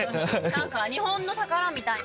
何か日本の宝みたいな。